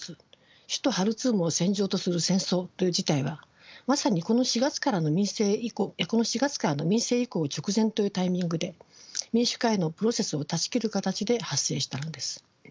首都ハルツームを戦場とする戦争という事態はまさにこの４月からの民政移行直前というタイミングで民主化へのプロセスを断ち切る形で発生したのです。